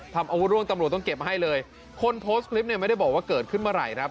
อาวุธร่วงตำรวจต้องเก็บให้เลยคนโพสต์คลิปเนี่ยไม่ได้บอกว่าเกิดขึ้นเมื่อไหร่ครับ